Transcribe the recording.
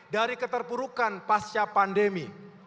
dari keterpurukan pasca pandemi